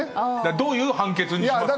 どういう判決にします。